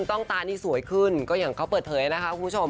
ต้องตานี่สวยขึ้นก็อย่างเขาเปิดเผยนะคะคุณผู้ชม